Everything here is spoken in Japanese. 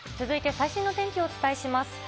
続いて最新の天気をお伝えします。